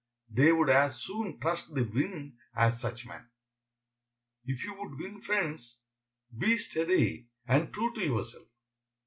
They would as soon trust the wind as such men. If you would win friends, be steady and true to yourself.